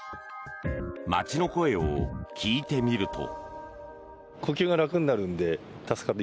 街の声を聞いてみると。